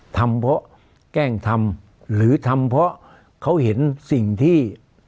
ทำเพราะแกล้งทำหรือทำเพราะเขาเห็นสิ่งที่